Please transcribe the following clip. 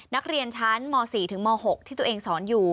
นักเรียนชั้นม๔ถึงม๖ที่ตัวเองสอนอยู่